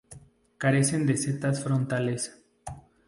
Carecen de setas frontales.